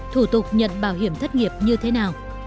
thủ tục nhận bảo hiểm thất nghiệp như thế nào